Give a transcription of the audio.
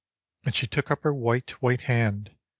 And she took up her white, white hand.